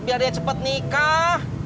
biar dia cepet nikah